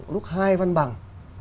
lúc hai văn bằng